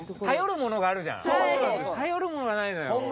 頼るものがないのよ。